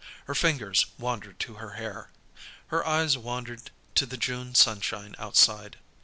Her fingers wandered to her hair. Her eyes wandered to the June sunshine outside.